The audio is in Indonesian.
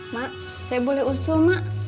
mak saya boleh usul mak